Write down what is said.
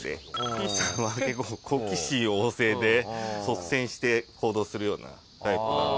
ぴーさんは結構好奇心旺盛で率先して行動するようなタイプなので。